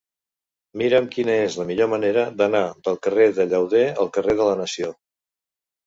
Mira'm quina és la millor manera d'anar del carrer de Llauder al carrer de la Nació.